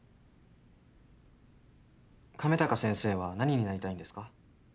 亀高先生は何になりたいんですか？